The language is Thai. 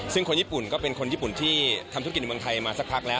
ซึ่งคนญี่ปุ่นก็เป็นคนญี่ปุ่นที่ทำธุรกิจในเมืองไทยมาสักพักแล้ว